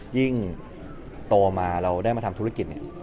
ยิ่งโตมาเราได้มาทำธุรกิจเนี่ย